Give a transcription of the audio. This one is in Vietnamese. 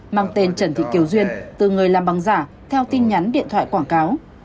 mang tên trần thị kiều duyên từ người làm băng giả theo tin nhắn điện thoại quảng cáo